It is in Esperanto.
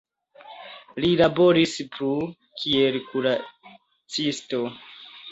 Li laboris plu, kiel kuracisto.